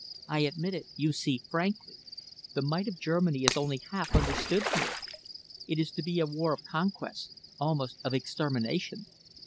I admit it, you see, frankly. The might of Germany is only half understood here. It is to be a war of conquest, almost of extermination."